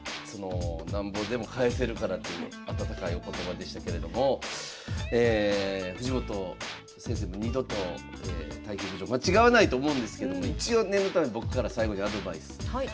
なんぼでも返せるからという温かいお言葉でしたけれども藤本先生もう二度と対局場間違わないと思うんですけども一応念のため僕から最後にアドバイス。